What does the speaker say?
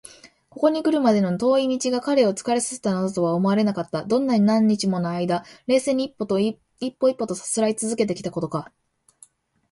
ここにくるまでの遠い道が彼を疲れさせたなどとは思われなかった。どんなに何日ものあいだ、冷静に一歩一歩とさすらいつづけてきたことか！